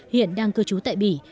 hiện đang cư trú tại bỉ